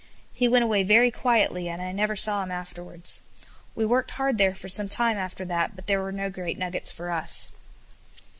He went away very quietly, and I never saw him afterwards. We worked hard there for some time after that, but there were no great nuggets for us.